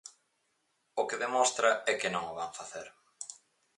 O que demostra é que non o van facer.